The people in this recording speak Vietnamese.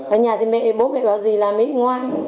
ở nhà thì mẹ bố mẹ bảo dì làm ấy ngoan